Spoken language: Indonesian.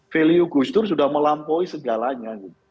value gus dur sudah melampaui segalanya